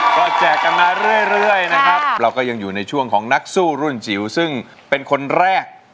ก็แจกกันมาเรื่อยนะครับเราก็ยังอยู่ในช่วงของนักสู้รุ่นจิ๋วซึ่งเป็นคนแรก